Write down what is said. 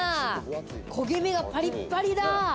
焦げ目がパリパリだ。